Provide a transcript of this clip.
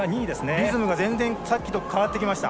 リズムが全然さっきと変わってきました。